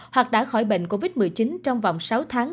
hoặc đã khỏi bệnh covid một mươi chín trong vòng sáu tháng